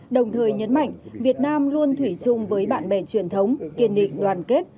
đồng thời nhấn mạnh việt nam luôn thủy chung với bạn bè truyền thống kiên định đoàn kết